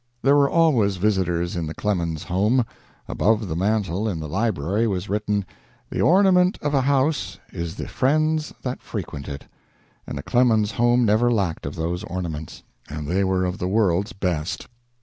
There were always visitors in the Clemens home. Above the mantel in the library was written: "The ornament of a house is the friends that frequent it," and the Clemens home never lacked of those ornaments, and they were of the world's best.